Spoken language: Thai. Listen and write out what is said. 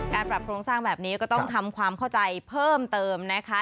ปรับโครงสร้างแบบนี้ก็ต้องทำความเข้าใจเพิ่มเติมนะคะ